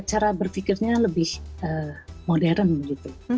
cara berpikirnya lebih modern gitu